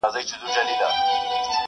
ځوانان له هغه ځایه تېرېږي ډېر،